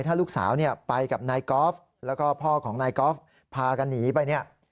ถ้าลูกสาวไปกับนายกอล์ฟแล้วก็พ่อของนายกอล์ฟพากันหนีไปเนี่ย